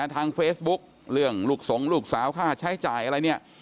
ทางเฟซบุ๊กเรื่องลูกสงลูกสาวค่าใช้จ่ายอะไรเนี่ย